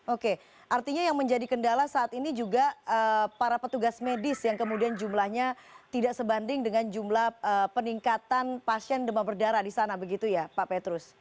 oke artinya yang menjadi kendala saat ini juga para petugas medis yang kemudian jumlahnya tidak sebanding dengan jumlah peningkatan pasien demam berdarah di sana begitu ya pak petrus